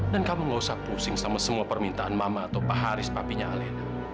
dan kamu nggak usah pusing sama semua permintaan mama atau pak haris papinya alena